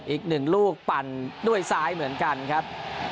อีกหนึ่งลูกปั่นด้วยซ้ายเหมือนกันครับ